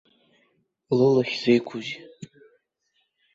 Лылахь зеиқәузеи?